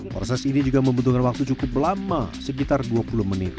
proses ini juga membutuhkan waktu cukup lama sekitar dua puluh menit